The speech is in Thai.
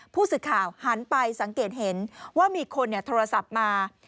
ผู้สื่อข่าวหันไปสังเกตเห็นว่ามีคนโทรศัพท์มา